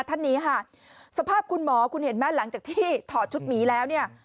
ท่านนี้ค่ะสภาพคุณหมอคุณเห็นไหมหลังจากที่ถอดชุดหมีแล้วเนี่ย